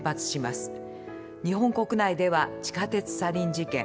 日本国内では地下鉄サリン事件。